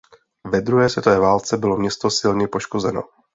Ve druhé světové válce bylo město silně poškozeno.